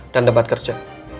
dan tempat kerja